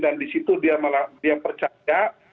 dan di situ dia percaya